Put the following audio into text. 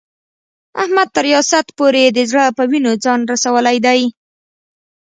احمد تر ریاست پورې د زړه په وینو ځان رسولی دی.